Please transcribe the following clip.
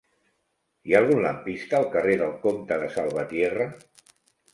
Hi ha algun lampista al carrer del Comte de Salvatierra?